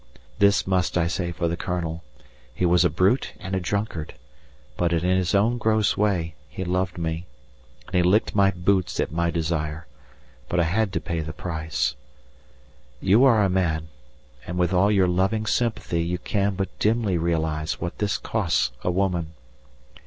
This must I say for the Colonel: he was a brute and a drunkard, but in his own gross way he loved me, and he licked my boots at my desire, but I had to pay the price. You are a man, and with all your loving sympathy you can but dimly realize what this costs a woman.